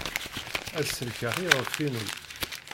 Ad sellkeɣ iɣef-inu.